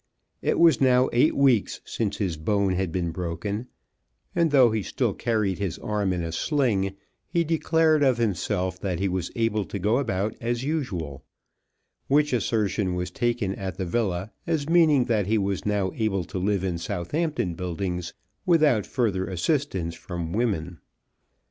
It was now eight weeks since his bone had been broken, and though he still carried his arm in a sling, he declared of himself that he was able to go about as usual; which assertion was taken at the villa as meaning that he was now able to live in Southampton Buildings without further assistance from women.